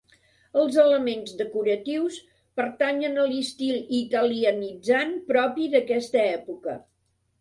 Els elements decoratius pertanyen a l'estil italianitzant propi d'aquesta època.